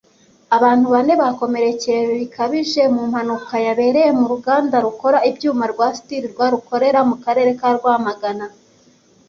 Abantu bane bakomerekeye bikabije mu mpanuka yabereye mu ruganda rukora ibyuma rwa SteelRwa rukorera mu karere ka Rwamagana